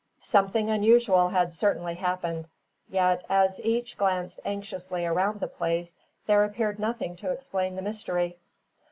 Something unusual had certainly happened; yet, as each glanced anxiously around the place, there appeared nothing to explain the mystery.